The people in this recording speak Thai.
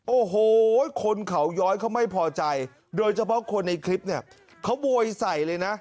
โอ้โหคนเขาย้อยเขาไม่พอใจโดยเฉพาะคนในคลิปเนี่ยเขาโวยใส่เลยนะ